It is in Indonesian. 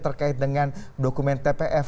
terkait dengan dokumen tpf